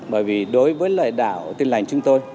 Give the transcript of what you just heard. bởi vì đối với lại đạo tin lành chúng tôi